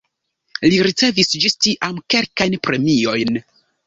Li ricevis ĝis tiam kelkajn premiojn.